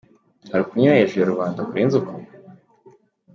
Hari ukunyura hejuru yarubanda kurenze uko?